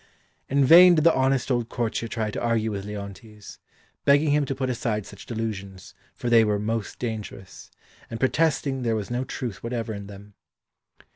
In vain did the honest old courtier try to argue with Leontes, begging him to put aside such delusions, for they were most dangerous, and protesting there was no truth whatever in them.